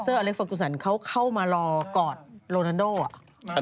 อเล็กฟากูสันเขาเข้ามารอกอดโลนันโดอ่ะ